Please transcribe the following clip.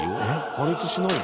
破裂しないの？